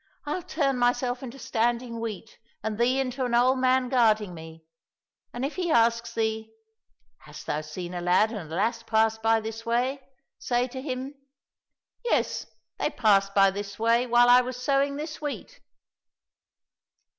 I'll turn myself into standing wheat and thee into an old man guarding me, and if he ask thee, ' Hast thou seen a lad and a lass pass by this way ?' say to him, ' Yes, they passed by this way while I was sowing this wheat